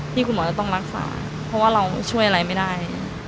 คุณหมอจะต้องรักษาเพราะว่าเราช่วยอะไรไม่ได้